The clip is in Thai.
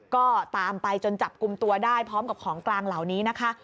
ก็ตามไปจนจับกลุ่มตัวได้พร้อมกับของกลางเหล่านี้นะคะ